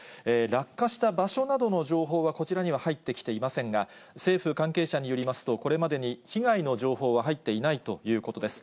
落下した場所などの情報はこちらには入ってきていませんが、政府関係者によりますと、これまでに被害の情報は入っていないということです。